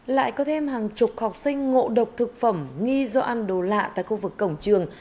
lại có thêm hàng chục học sinh ngộ độc thực phẩm nghi do ăn đồ lạ tại khu vực cổng trường